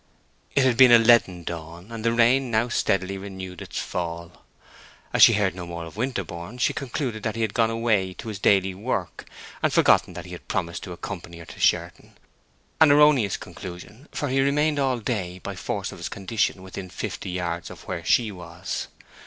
It had been a leaden dawn, and the rain now steadily renewed its fall. As she heard no more of Winterborne, she concluded that he had gone away to his daily work, and forgotten that he had promised to accompany her to Sherton; an erroneous conclusion, for he remained all day, by force of his condition, within fifty yards of where she was.